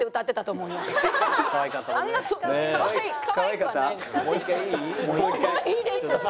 もういいでしょ！